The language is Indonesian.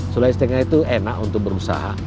sulai setengah itu enak untuk berusaha